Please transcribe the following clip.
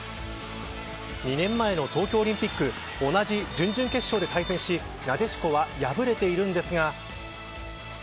２年前の東京オリンピック同じ準々決勝で対戦しなでしこは敗れているのですが。